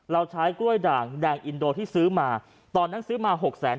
เราใช้กล้วยด่างแดงอินโดที่ซื้อมาตอนนั้นซื้อมาหกแสน